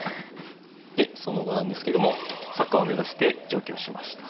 でその後なんですけども作家を目指して上京しました。